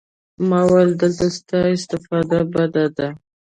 ما وويل دلته ستا استفاده بده ده.